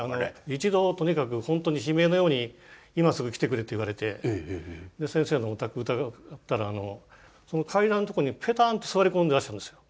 一度とにかく本当に悲鳴のように「今すぐ来てくれ」と言われて先生のお宅伺ったら階段のとこにペタンと座り込んでらっしゃるんですよ。